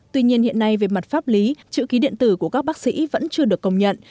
tuy nhiên hiện nay về mặt pháp lý chữ ký điện tử của các bác sĩ vẫn chưa được công nhận